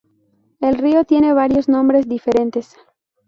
El río tiene varios nombres diferentes.